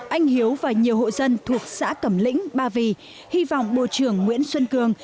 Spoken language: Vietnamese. anh hiếu và nhiều hộ dân thuộc xã cẩm lĩnh ba vì hy vọng bộ trưởng nguyễn xuân cường